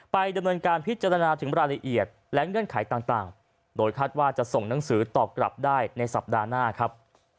ไปดำเนินการพิจารณาถึงรายละเอียดและเงื่อนไขต่างโดยคาดว่าจะส่งหนังสือตอบกลับได้ในสัปดาห์หน้าครับ